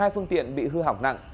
hai phương tiện bị hư hỏng nặng